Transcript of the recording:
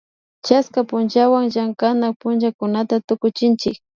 chaska punllawan llankanak pullakunata tukuchinchik